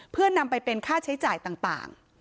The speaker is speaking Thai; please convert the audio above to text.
เพื่อนำไปเป็นค่าใช้จ่ายต่าง